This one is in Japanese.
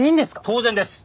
当然です。